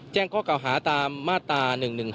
แจ้งข้อหาตามมาตรา๑๑๖